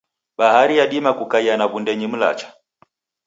Bahari yadima kukaia na wundenyi mlacha.